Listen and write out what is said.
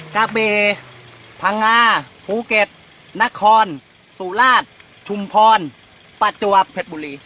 กะเบพังงาภูเก็ตนครสุราชชุมพรปัจจวบเผ็ดบุรี